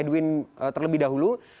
edwin terlebih dahulu